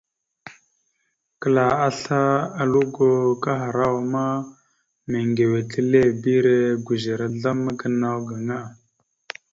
Kəla asle a lugo kahərawa ma, meŋgʉwetelebire gʉzer azzlam gənaw gaŋa.